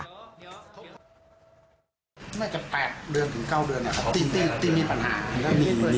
น่าจะ๘เดือนถึง๙เดือนติดมีปัญหา